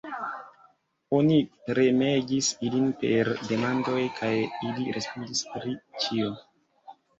Oni premegis ilin per demandoj, kaj ili respondis pri ĉio.